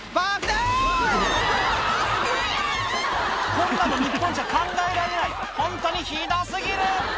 こんなの日本じゃ考えられないホントにひど過ぎる！